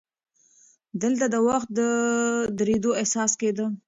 دلته د وخت د درېدو احساس کېده.